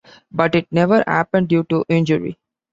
But it never happened due to injury.